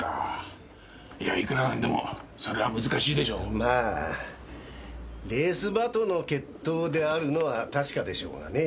まあレース鳩の血統であるのは確かでしょうがねぇ。